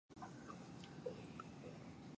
Nên bị nó lấy mạng